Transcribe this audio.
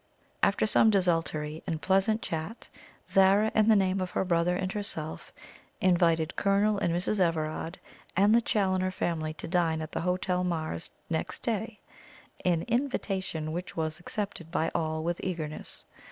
After some desultory and pleasant chat, Zara, in the name of her brother and herself, invited Colonel and Mrs. Everard and the Challoner family to dine at the Hotel Mars next day an invitation which was accepted by all with eagerness.